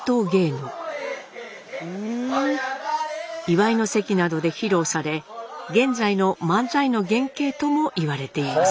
祝いの席などで披露され現在の漫才の原型ともいわれています。